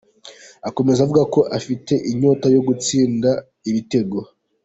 Akomeza avuga ko afite inyota yo gutsinda ibitego.